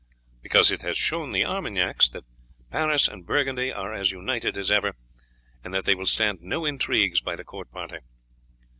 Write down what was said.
"Because it has shown the Armagnacs that Paris and Burgundy are as united as ever, and that they will stand no intrigues by the court party."